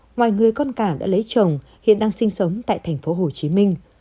ngoài người con cảo đã lấy chồng hiện đang sinh sống tại thành phố hồ chí minh